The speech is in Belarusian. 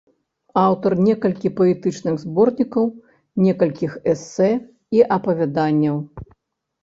Аўтар некалькіх паэтычных зборнікаў, некалькіх эсэ і апавяданняў.